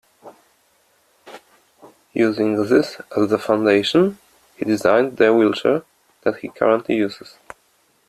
Using this as the foundation, he designed the wheelchair that he currently uses.